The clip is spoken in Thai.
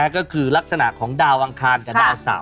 ก็คือลักษณะของดาวอังคารกับดาวเสาร์